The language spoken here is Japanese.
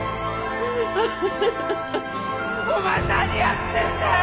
お前何やってんだよ！